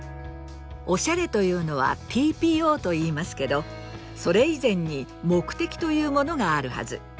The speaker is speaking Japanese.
お洒落というのはＴＰＯと言いますけどそれ以前に目的というものがあるはず。